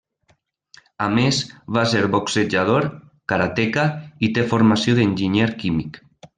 A més va ser boxejador, karateka i té formació d'enginyer químic.